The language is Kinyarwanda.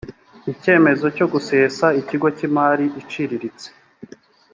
icyemezo cyo gusesa ikigo cy’imari iciriritse